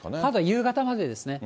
夕方までですね。